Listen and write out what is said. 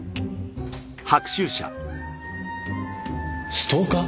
ストーカー？